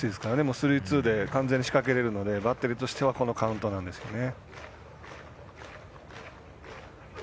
スリーツーで完全に仕掛けられるのでバッテリーとしてはこのカウントなんですよね。